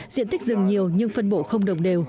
diện tích rừng nhiều nhưng phân bộ không đồng đều